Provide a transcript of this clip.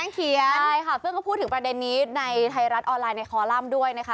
เขียนใช่ค่ะซึ่งก็พูดถึงประเด็นนี้ในไทยรัฐออนไลน์ในคอลัมป์ด้วยนะคะ